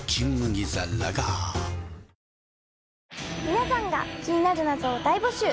皆さんが気になる謎を大募集。